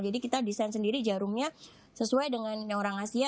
jadi kita desain sendiri jarumnya sesuai dengan orang asia